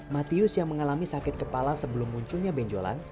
matius yang mengalami sakit kepala sebelum munculnya benjolan